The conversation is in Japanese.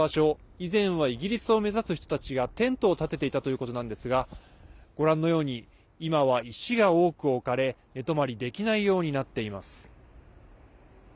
以前はイギリスを目指す人たちがテントを立てていたということなんですがご覧のように今は石が多く置かれ寝泊まりできないようになっています。